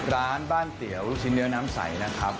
ร้านบ้านเตี๋ยวลูกชิ้นเนื้อน้ำใสนะครับ